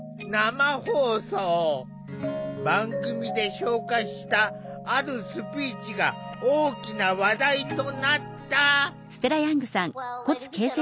番組で紹介したあるスピーチが大きな話題となった。